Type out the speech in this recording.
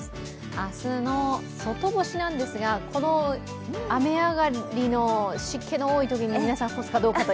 明日の外干しですがこの雨上がりの湿気の多いときに、皆さん、干すかどうか。